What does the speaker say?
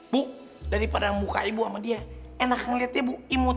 bu daripada muka ibu sama dia enak ngeliatnya bu imut